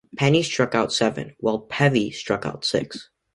Penny struck out seven, while Peavy struck out six.